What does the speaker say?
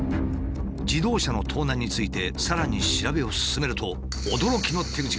自動車の盗難についてさらに調べを進めるとこちらをどうぞ。